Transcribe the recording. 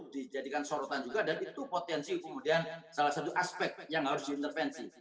dijadikan sorotan juga dan itu potensi kemudian salah satu aspek yang harus diintervensi